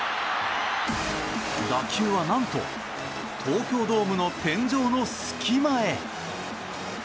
打球は何と、東京ドームの天井の隙間へ。